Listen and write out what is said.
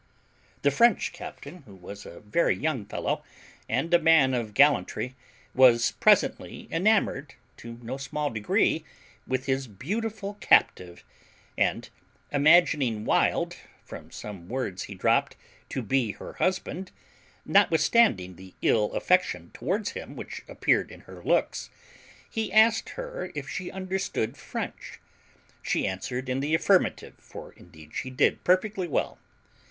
The French captain, who was a very young fellow, and a man of gallantry, was presently enamoured to no small degree with his beautiful captive; and imagining Wild, from some words he dropt, to be her husband, notwithstanding the ill affection towards him which appeared in her looks, he asked her if she understood French. She answered in the affirmative, for indeed she did perfectly well.